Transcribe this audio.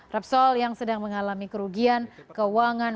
repsol yang sedang mengalami kerugian keuangan